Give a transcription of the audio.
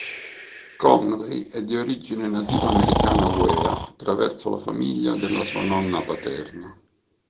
Conley è di origine nativa americana Wea attraverso la famiglia della sua nonna paterna.